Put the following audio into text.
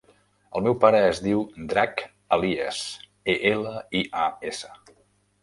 El meu pare es diu Drac Elias: e, ela, i, a, essa.